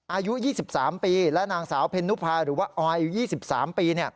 อายุ๒๓ปีและนางสาวเพนนุภาหรือว่าออยอายุ๒๓ปี